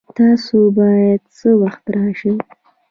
تاسو به څه وخت راشئ؟